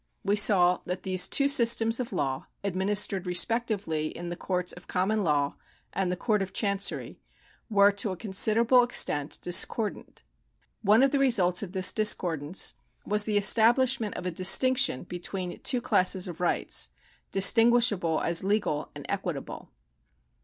We saw that these two systems of law, administered respectively in the coiuts of common law and the Court of Chancery, were to a considerable extent discordant. One of the results of this discordance was the establishment of a distinction between two classes of rights, distinguishable as legal and equitable.